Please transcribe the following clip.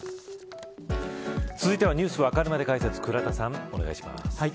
続いてはＮｅｗｓわかるまで解説倉田さん、お願いします。